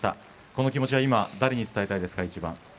この気持ちは今誰に伝えたいですか、１番。